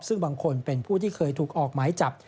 ซึ่งบางคนเป็นผู้ที่เคยถูกออกหมายจับ